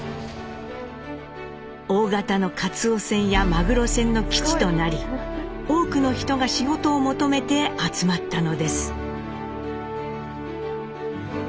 大型のかつお船やマグロ船の基地となり多くの人が仕事を求めて集まったのです。